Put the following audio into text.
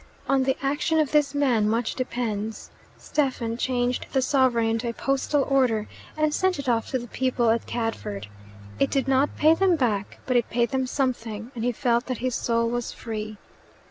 On the action of this man much depends. Stephen changed the sovereign into a postal order, and sent it off to the people at Cadford. It did not pay them back, but it paid them something, and he felt that his soul was free.